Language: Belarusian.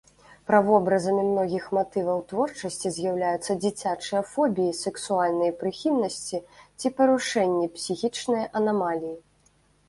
Правобразамі многіх матываў творчасці з'яўляюцца дзіцячыя фобіі, сэксуальныя прыхільнасці ці парушэнні, псіхічныя анамаліі.